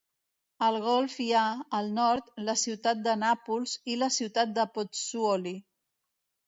Al golf hi ha, al nord, la ciutat de Nàpols i la ciutat de Pozzuoli.